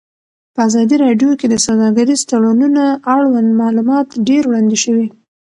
په ازادي راډیو کې د سوداګریز تړونونه اړوند معلومات ډېر وړاندې شوي.